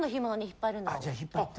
じゃあ引っ張って。